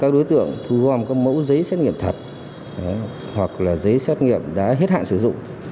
các đối tượng thu gom các mẫu giấy xét nghiệm thật hoặc là giấy xét nghiệm đã hết hạn sử dụng